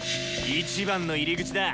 １番の入り口だ！